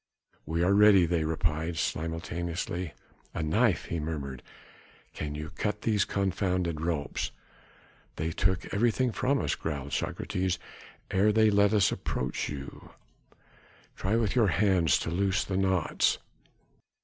"We are ready," they replied simultaneously. "A knife?" he murmured, "can you cut these confounded ropes?" "They took everything from us," growled Socrates, "ere they let us approach you." "Try with your hands to loosen the knots."